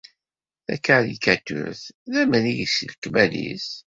Takarikaturt d amrig s lekmal-is.